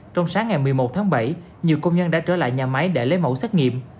trong sáng ngày một mươi một tháng bảy nhiều công nhân đã trở lại nhà máy để lấy mẫu xét nghiệm